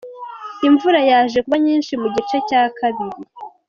imvura yaje kuba nyinshi mu gice cya kabiri.